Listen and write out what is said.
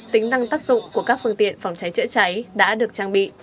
tính năng tác dụng của các phương tiện phòng cháy chữa cháy đã được trang bị